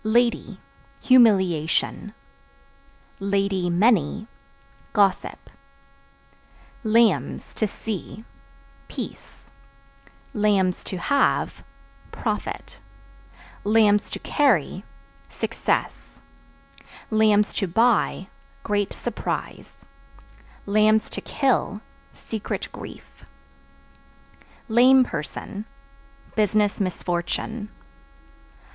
Lady Humiliation; (many) gossip. Lambs (To see) peace; (to have) profit; (to carry) success; (to buy) great surprise; (to kill) secret grief. Lame Person Business misfortune.